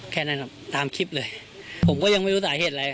แค่นั้นครับตามคลิปเลยผมก็ยังไม่รู้สาเหตุอะไร